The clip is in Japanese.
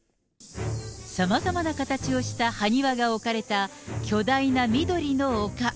さまざまな形をした埴輪が置かれた巨大な緑の丘。